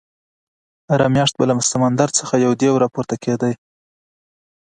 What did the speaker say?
هره میاشت به له سمندر څخه یو دېو راپورته کېدی.